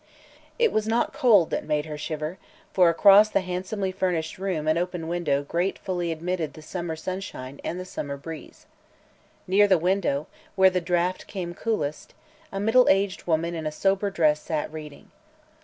It was not cold that made her shiver, for across the handsomely furnished room an open window gratefully admitted the summer sunshine and the summer breeze. Near the window, where the draught came coolest, a middle aged woman in a sober dress sat reading.